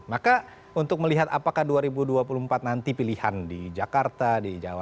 maka untuk melihat apakah dua ribu dua puluh empat nanti pilihan di jakarta di jawa